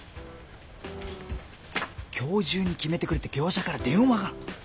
今日中に決めてくれって業者から電話が。